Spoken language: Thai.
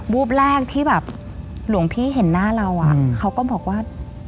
ูบแรกที่แบบหลวงพี่เห็นหน้าเราอ่ะเขาก็บอกว่า